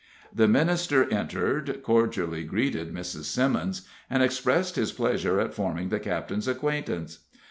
The minister entered, cordially greeted Mrs. Simmons, and expressed his pleasure at forming the captain's acquaintance.